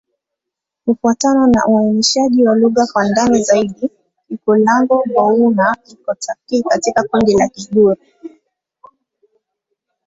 Kufuatana na uainishaji wa lugha kwa ndani zaidi, Kikulango-Bouna iko katika kundi la Kigur.